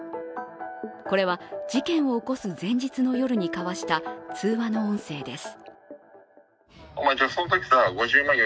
これは事件を起こす前日の夜に交わした通話の音声です。